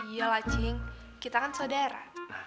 iya lah cing kita kan saudara